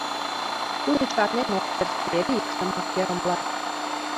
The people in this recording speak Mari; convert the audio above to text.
Тудо чарнен ок керт, эре иктымак йырымла.